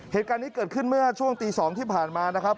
เหตุการณ์นี้เกิดขึ้นเมื่อช่วงตี๒ที่ผ่านมานะครับ